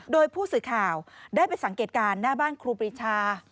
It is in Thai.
โดยผู้สื่อข่าวได้ไปสังเกตการณ์หน้าบ้านครูปรีชา